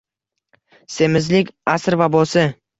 Semizlik - asr vabosi.